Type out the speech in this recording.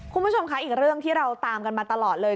คุณผู้ชมคะอีกเรื่องที่เราตามกันมาตลอดเลย